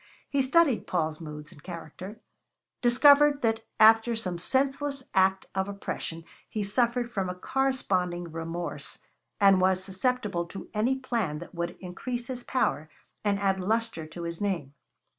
He studied Paul's moods and character, discovered that after some senseless act of oppression he suffered from a corresponding remorse, and was susceptible to any plan that would increase his power and add lustre to his name.